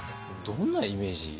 どんなイメージ。